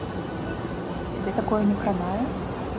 Цябе такое не кранае?